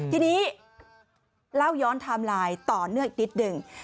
ทีนี้เล่าย้อนไทม์ไลน์ต่อเนื่องอีกนิดหนึ่ง